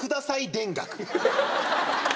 田楽。